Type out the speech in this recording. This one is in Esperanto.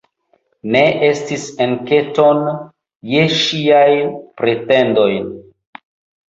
Ne estis enketon je ŝiajn pretendojn.